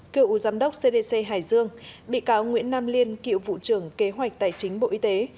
cựu giám đốc cdc hải dương bị cáo nguyễn nam liên cựu vụ trưởng kế hoạch tài chính bộ y tế